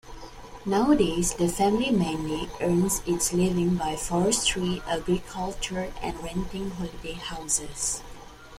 Nowadays, the family mainly earns its living by forestry, agriculture and renting holiday houses.